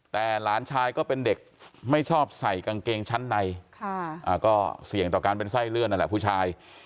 แต่หลานชายก็เป็นเด็กไม่ชอบใส่กางเกงชั้นในก็เสี่ยงต่อการเป็นไส้เลื่อนนั่นแหละผู้ชาย